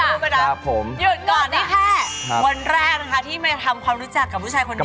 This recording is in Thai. แล้วคุณใส่ผมรู้ไปนะอยู่ก่อนนี้แค่วันแรกนะคะที่ไม่ทำความรู้จักกับผู้ชายคนดี